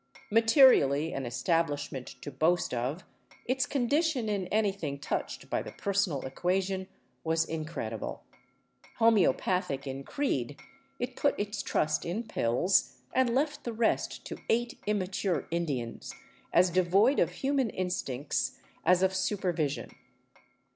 Materially an establishment to boast of, its condition in anything touched by the personal equation was in credible. Homeopathic in creed, it put its trust in pills, and left the rest to eight immature Indians, as devoid of human instincts as of supervision.